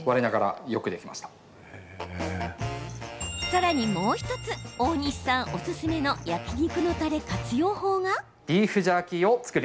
さらにもう１つ大西さんおすすめの焼き肉のたれ活用法が。